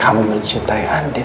kamu mencintai andin